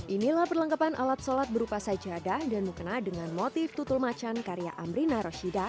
inilah perlengkapan alat sholat berupa sajadah dan mukena dengan motif tutul macan karya amrina roshida